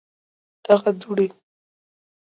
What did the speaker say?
دغه دوړي